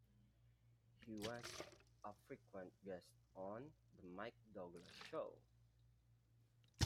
He was a frequent guest on "The Mike Douglas Show".